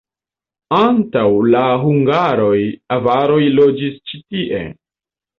Antaŭ la hungaroj avaroj loĝis ĉi tie.